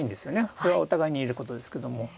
それはお互いに言えることですけども。